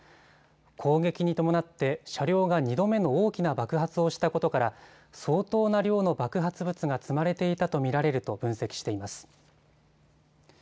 攻撃に伴って車両が２度目の大きな爆発をしたことから相当な量の爆発物が積まれていたと見られると分析しています。